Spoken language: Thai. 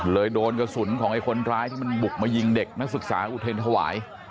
โดนกระสุนของไอ้คนร้ายที่มันบุกมายิงเด็กนักศึกษาอุเทรนธวาย